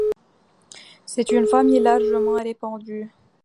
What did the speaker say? C'est une famille largement répandue.